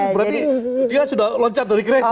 berarti dia sudah loncat dari kereta